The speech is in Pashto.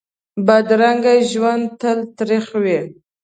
بدرنګه ژوند تل تریخ وي